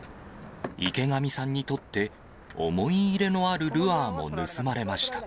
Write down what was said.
池上さんにとって思い入れのあるルアーも盗まれました。